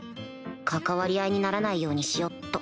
関わり合いにならないようにしよっと。